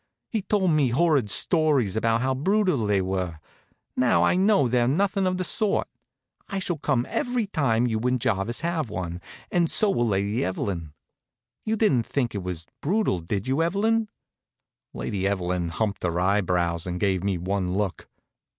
He's told me horrid stories about how brutal they were. Now I know they're nothing of the sort. I shall come every time you and Jarvis have one, and so will Lady Evelyn. You didn't think it was brutal, did you, Evelyn?" Lady Evelyn humped her eyebrows and gave me one look.